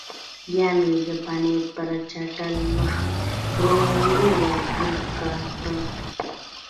بیا مې د پنیر پر چټل مخ ورو ورو ورتوږه کړل.